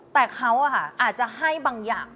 แต่เขาอาจจะให้บางอย่าง